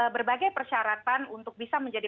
berbagai persyaratan untuk bisa menjadi